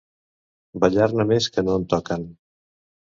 Ballar-ne més que no en toquen.